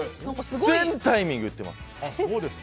全タイミングで言ってます。